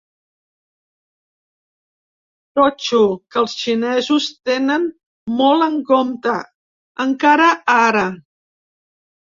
Totxo que els xinesos tenen molt en compte, encara ara.